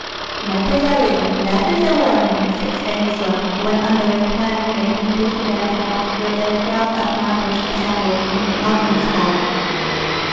"That is a leader, that is a warrior!" said Stanislav, when on the return they had pushed themselves through the throng of nobles assembled in the audience hall.